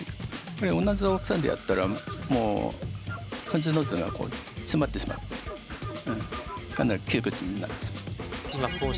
これ同じ大きさでやったら、もう藤の字が詰まってしまってかなり窮屈になってしまう。